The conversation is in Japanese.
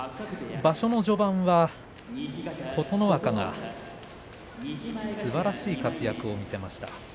場所の序盤は琴ノ若がすばらしい活躍を見せました。